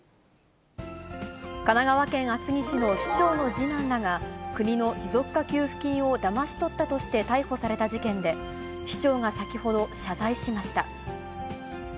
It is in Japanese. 神奈川県厚木市の市長の次男らが、国の持続化給付金をだまし取ったとして逮捕された事件で、市長が先ほど、謝罪しました。